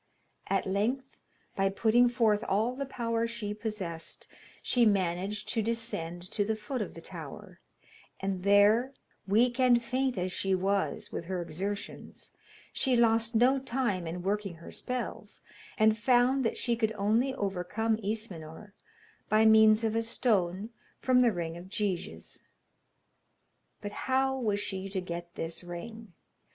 At length, by putting forth all the power she possessed, she managed to descend to the foot of the tower, and there, weak and faint as she was with her exertions, she lost no time in working her spells, and found that she could only overcome Ismenor by means of a stone from the ring of Gyges. But how was she to get this ring?